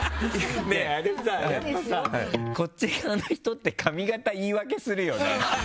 やっぱさ、こっち側の人って髪形、言い訳するよね。